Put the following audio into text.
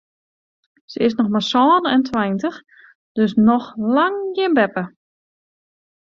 Se is noch mar sân en tweintich, dus noch lang gjin beppe.